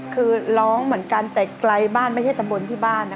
คือร้องเหมือนกันแต่ไกลบ้านไม่ใช่ตำบลที่บ้านนะคะ